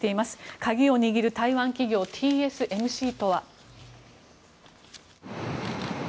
鍵を握る台湾企業ＴＳＭＣとは。